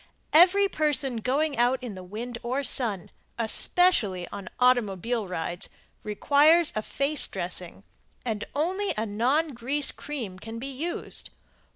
Every person going out in the sun or wind, especially on automobile rides, requires a face dressing, and only a non grease cream can be used.